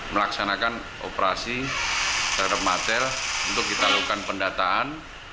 melaksanakan operasi terhadap matel untuk ditaruhkan pendatangan